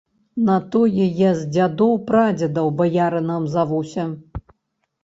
На тое я з дзядоў, прадзедаў баярынам завуся.